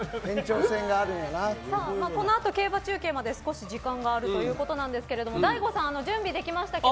このあと競馬中継まで少し時間があるということですが大悟さん、準備できましたか？